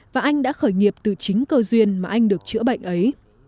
và anh đã khởi nghiệp từ chính cơ duyên mà anh được chữa bệnh ấy